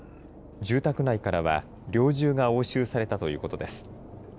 住宅内からは、猟銃が押収されたということです。